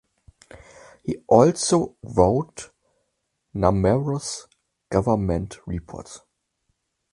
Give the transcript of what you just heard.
He also wrote numerous government reports.